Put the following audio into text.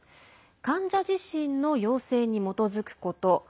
患者自身の要請に基づくこと。